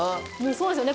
そうですよね。